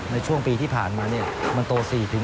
ในช่วงปีที่ผ่านมามันโต๔๕